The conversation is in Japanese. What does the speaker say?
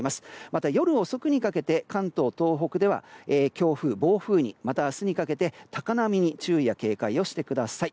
また夜遅くにかけて関東、東北では強風暴風にまた、明日にかけて高波に警戒してください。